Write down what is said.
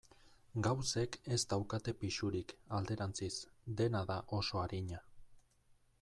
Gauzek ez daukate pisurik, alderantziz, dena da oso arina.